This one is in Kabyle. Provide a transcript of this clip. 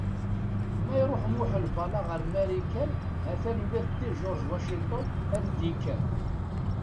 Ma iṛuḥ Muḥ Lbala ɣer Marikan, hatan ula d George Washington ad d-yekker.